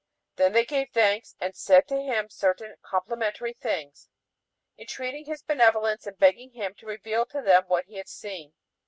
Then they gave thanks and said to him certain complimentary things, entreating his benevolence and begging him to reveal to them what he had seen.